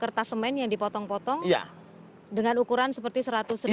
kertas semen yang dipotong potong dengan ukuran seperti seratus